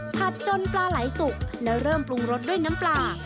จนปลาไหลสุกแล้วเริ่มปรุงรสด้วยน้ำปลา